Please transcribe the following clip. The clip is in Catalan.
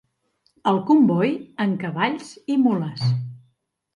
El comboi amb cavalls i mules.